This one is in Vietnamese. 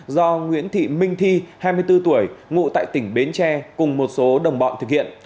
do nguyễn thị minh thi hai mươi bốn tuổi ngụ tại tỉnh bến tre cùng một số đồng bọn thực hiện